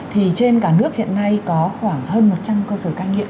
thì trên cả nước hiện nay có khoảng hơn một trăm linh cơ sở cai nghiện